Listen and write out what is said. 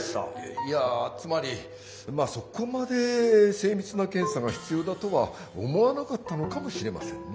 いやつまりまあそこまで精密な検査が必要だとは思わなかったのかもしれませんね。